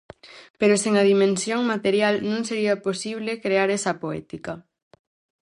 Pero sen a dimensión material non sería posible crear esa poética.